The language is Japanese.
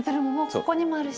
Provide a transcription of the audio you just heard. ここにもあるし。